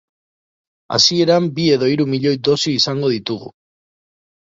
Hasieran bi edo hiru milioi dosi izango ditugu.